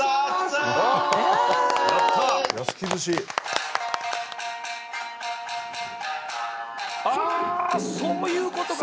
あそういうことか！